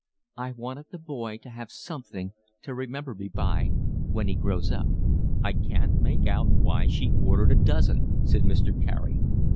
"I wanted the boy to have something to remember me by when he grows up." "I can't make out why she ordered a dozen," said Mr. Carey.